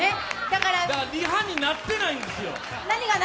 リハになってないんですよ